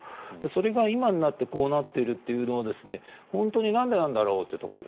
それが今になってこうなっているというのは本当になんでなんだろうと。